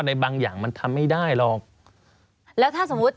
สนุนโดยหวานได้ทุกที่ที่มีพาเลส